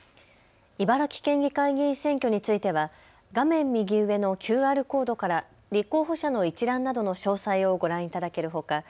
茨城県議会議員選挙については画面右上のＱＲコードから立候補者の一覧などの詳細をご覧いただけるほか